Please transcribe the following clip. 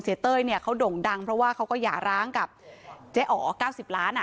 เต้ยเนี่ยเขาด่งดังเพราะว่าเขาก็หย่าร้างกับเจ๊อ๋อ๙๐ล้านอ่ะ